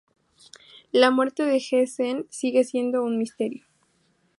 La muerte de He Zhen sigue siendo un misterio.